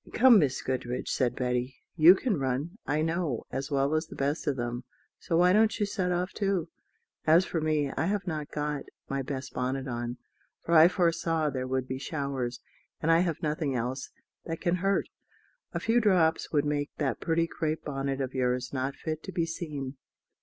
"Come, Miss Goodriche," said Betty; "you can run, I know, as well as the best of them, so why don't you set off too? As for me, I have not got my best bonnet on, for I foresaw there would be showers, and I have nothing else that can hurt. A very few drops would make that pretty crape bonnet of yours not fit to be seen."